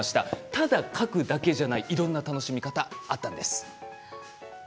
ただ書くだけではないいろんな楽しみ方があったんです。